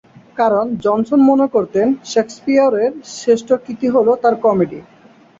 কারণ, জনসন মনে করতেন, শেকসপিয়রের শ্রেষ্ঠ কীর্তি হল তাঁর কমেডি।